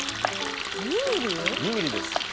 ２ｍｍです。